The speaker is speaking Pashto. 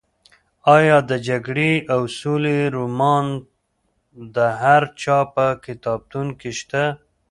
ایا د جګړې او سولې رومان د هر چا په کتابتون کې شته؟